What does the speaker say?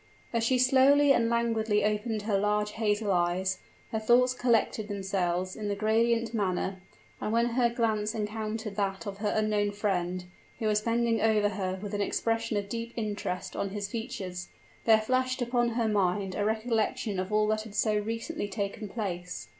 As she slowly and languidly opened her large hazel eyes, her thoughts collected themselves in the gradient manner; and when her glance encountered that of her unknown friend, who was bending over her with an expression of deep interest on his features, there flashed upon her mind a recollection of all that had so recently taken place.